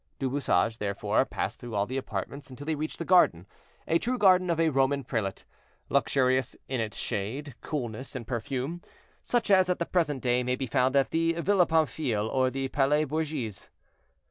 Du Bouchage, therefore, passed through all the apartments until he reached the garden, a true garden of a Roman prelate, luxurious in its shade, coolness, and perfume, such as, at the present day, may be found at the Villa Pamphile or the Palais Borghese.